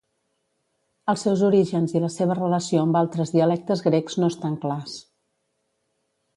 Els seus orígens i la seva relació amb altres dialectes grecs no estan clars.